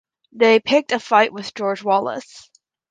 They picked a fight with George Wallace.